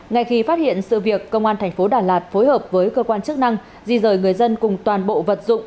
ngay khi phát hiện sự việc công an thành phố đà lạt phối hợp với cơ quan chức năng di rời người dân cùng toàn bộ vật dụng